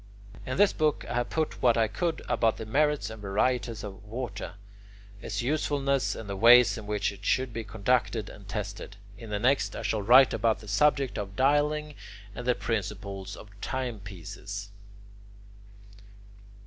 In this book I have put what I could about the merits and varieties of water, its usefulness, and the ways in which it should be conducted and tested; in the next I shall write about the subject of dialling and the principles of timepieces.